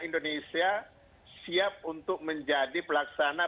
indonesia siap untuk menjadi pelaksana